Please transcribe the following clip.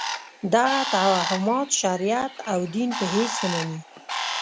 دغه توهمات شریعت او دین په هېڅ نه مني.